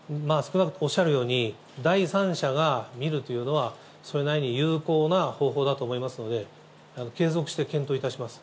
おっしゃるように、第三者が見るというのは、それなりに有効な方法だと思いますので、継続して検討いたします。